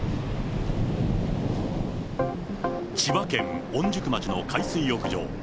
千葉県御宿町の海水浴場。